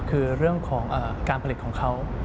คือเรื่องของการผลิตของเขา